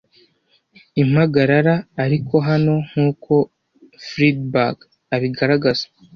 Impagarara, ariko hano, nkuko Freedberg abigaragaza,